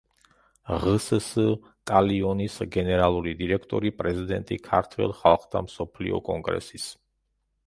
ღსს „ტალიონის“ გენერალური დირექტორი, პრეზიდენტი ქართველ ხალხთა მსოფლიო კონგრესის.